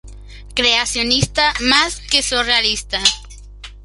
Creacionista más que surrealista.